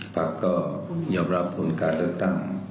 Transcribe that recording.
พลักษณ์ก็ยอมรับโปรดการเลือกตั้ง